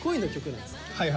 はい。